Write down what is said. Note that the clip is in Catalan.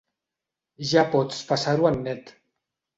Ja pots passar-ho en net.